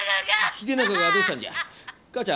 秀長がどうしたんじゃ？